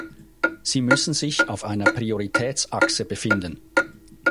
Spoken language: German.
Sie müssen sich auf einer Prioritätsachse befinden.